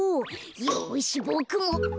よしボクも。